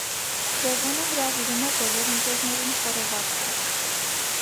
Լևոնը հրավիրում է բոլոր ընկերներին խորովածի։